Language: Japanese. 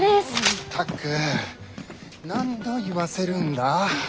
ったく何度言わせるんだ？